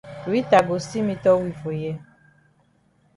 Rita go still meetup we for here.